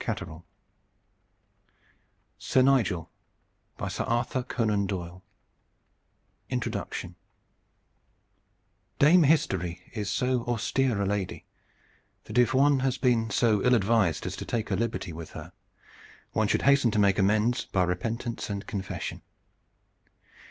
HOW THE THIRD MESSENGER CAME TO COSFORD INTRODUCTION Dame History is so austere a lady that if one, has been so ill advised as to take a liberty with her, one should hasten to make amends by repentance and confession.